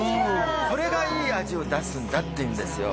これがいい味を出すんだって言うんですよ